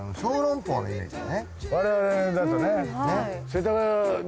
我々だとね。